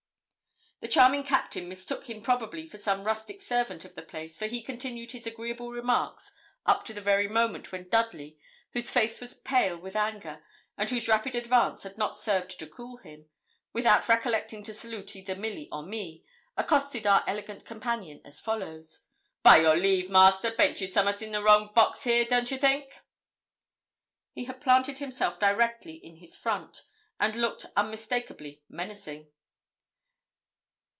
The charming Captain mistook him probably for some rustic servant of the place, for he continued his agreeable remarks up to the very moment when Dudley, whose face was pale with anger, and whose rapid advance had not served to cool him, without recollecting to salute either Milly or me, accosted our elegant companion as follows: 'By your leave, master, baint you summat in the wrong box here, don't you think?' He had planted himself directly in his front, and looked unmistakably menacing.